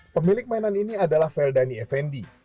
pemilik mainan ini adalah veldani effendi